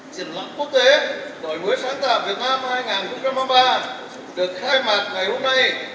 triển lãm quốc tế đổi mới sáng tạo việt nam hai nghìn hai mươi ba được khai mạc ngày hôm nay